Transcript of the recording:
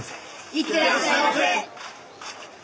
行ってらっしゃいませ。